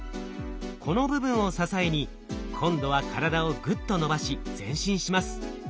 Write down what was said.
この部分を支えに今度は体をグッと伸ばし前進します。